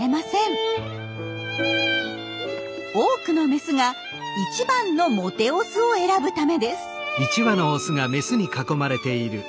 多くのメスが一番のモテオスを選ぶためです。